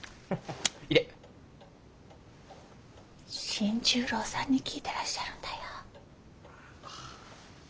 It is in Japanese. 新十郎さんに聞いてらっしゃるんだよ。